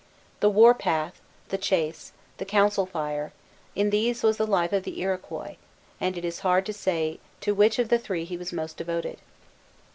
The war path, the chase, the council fire, in these was the life of the Iroquois; and it is hard to say to which of the three he was most devoted.